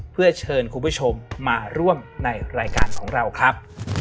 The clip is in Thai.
เพื่อเชิญคุณผู้ชมมาร่วมในรายการของเราครับ